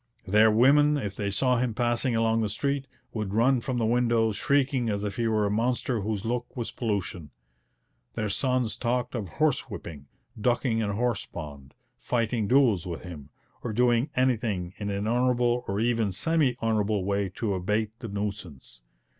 Their women, if they saw him passing along the street, would run from the windows shrieking as if he were a monster whose look was pollution. Their sons talked of horse whipping, ducking in a horse pond, fighting duels with him, or doing anything in an honourable or even semi honourable way to abate the nuisance.